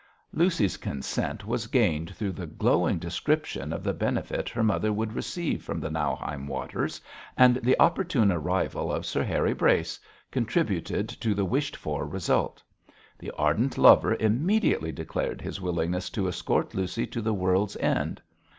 Lucy's consent was gained through the glowing description of the benefit her mother would receive from the Nauheim waters, and the opportune arrival of Sir Harry Brace contributed to the wished for result. The ardent lover immediately declared his willingness to escort Lucy to the world's end.